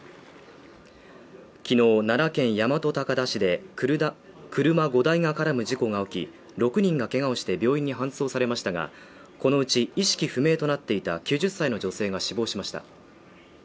昨日奈良県大和高田市で車５台が絡む事故が起き、６人がけがをして病院に搬送されましたが、このうち意識不明となっていた９０歳の女性が死亡しました。